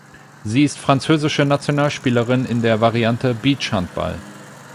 Sie ist französische Nationalspielerin in der Variante Beachhandball.